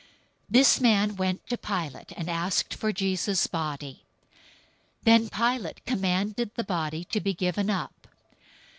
027:058 This man went to Pilate, and asked for Jesus' body. Then Pilate commanded the body to be given up.